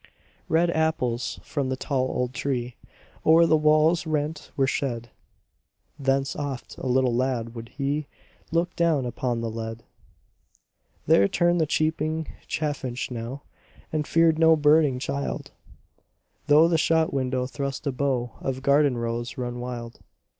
Red apples from the tall old tree O'er the wall's rent were shed. Thence oft, a little lad, would he Look down upon the lead. There turned the cheeping chaffinch now And feared no birding child; Through the shot window thrust a bough Of garden rose run wild.